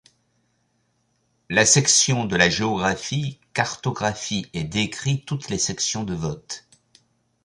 La section de la Géographie cartographie et décrit toutes les sections de vote.